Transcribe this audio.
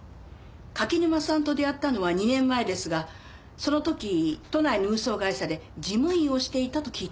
柿沼さんと出会ったのは２年前ですがその時都内の運送会社で事務員をしていたと聞いています。